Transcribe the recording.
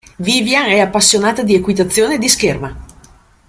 Vivian è appassionata di equitazione e di scherma.